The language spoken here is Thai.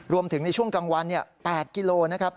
รวมถึงในช่วงกลางวัน๘กิโลกรัมนะครับ